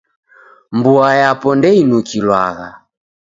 Mboa yapo ndeinukilwagha.